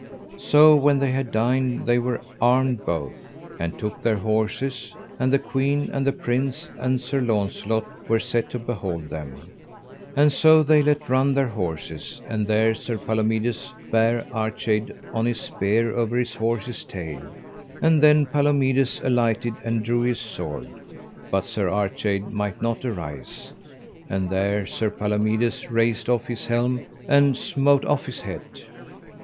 So when they had dined they were armed both, and took their horses, and the queen, and the prince, and Sir Launcelot, were set to behold them; and so they let run their horses, and there Sir Palomides bare Archade on his spear over his horse's tail. And then Palomides alighted and drew his sword, but Sir Archade might not arise; and there Sir Palomides raced off his helm, and smote off his head.